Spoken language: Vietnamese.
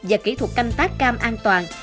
và kỹ thuật canh tác cam an toàn